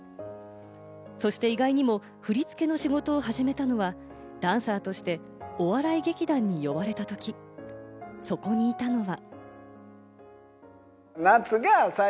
そして意外にも振付の仕事を始めたのは、ダンサーとして、お笑い劇団に呼ばれたとき、そこにいたのは。